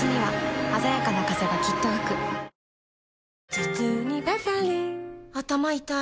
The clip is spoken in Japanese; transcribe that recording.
頭痛にバファリン頭痛い